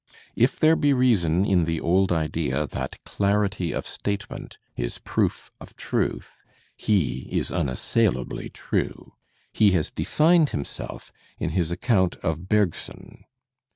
I If there be reason in the old idea that clarity of statement is proof of truth, he is unassailably true. He has defined himself in his account of Bergson.